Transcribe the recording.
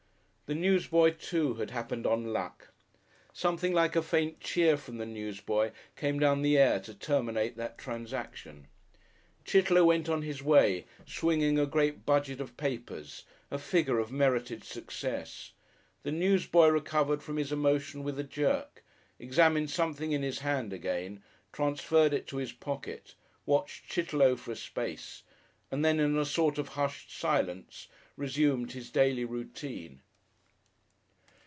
The newsboy, too, had happened on luck. Something like a faint cheer from the newsboy came down the air to terminate that transaction. Chitterlow went on his way swinging a great budget of papers, a figure of merited success. The newsboy recovered from his emotion with a jerk, examined something in his hand again, transferred it to his pocket, watched Chitterlow for a space, and then in a sort of hushed silence resumed his daily routine....